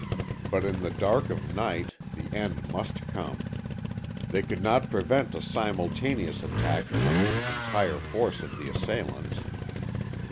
But in the dark of night, the end must come. They could not prevent a simultaneous attack from the entire force of the assailants.